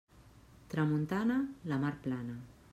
Tramuntana, la mar plana.